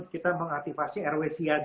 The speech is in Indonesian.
kita mengaktifasi rw siaga